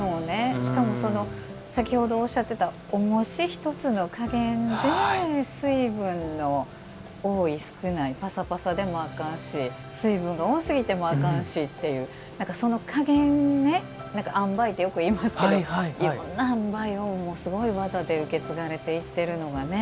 しかも先ほどおっしゃっていたおもし１つの加減で水分の多い、少ないパサパサでもあかんし水分が多すぎてもあかんしっていうその加減、あんばいってよくいいますけどいろんなあんばいをすごい技で受け継がれていっていかれているのがね。